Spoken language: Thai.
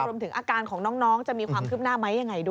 รวมถึงอาการของน้องจะมีความคืบหน้าไหมยังไงด้วย